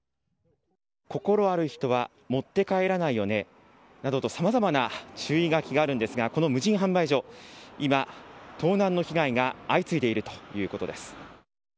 心ある人は持って帰らないよね？などとさまざまな注意書きがあるんですがこの無人販売所、今盗難の被害が相次いでいるということです。